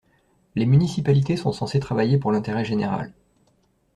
Les municipalités sont censées travailler pour l’intérêt général.